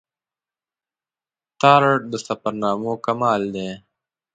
تارړ د سفرنامو کمال دا دی.